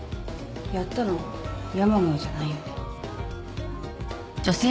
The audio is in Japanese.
やったのヤマムーじゃないよね？